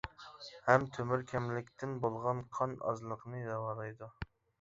ھەم تۆمۈر كەملىكتىن بولغان قان ئازلىقنى داۋالايدۇ.